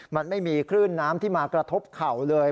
มันไม่มีคลื่นน้ำที่มากระทบเข่าเลย